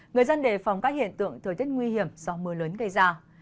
người dân đề phòng các hiện tượng thời tiết nguy hiểm do mưa lớn gây ra